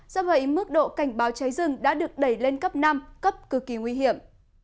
do vậy mức độ cảnh báo cháy rừng đã được đẩy lên cấp năm cấp cực kỳ nguy hiểm